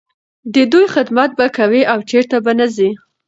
د دوی خدمت به کوې او چرته به نه ځې.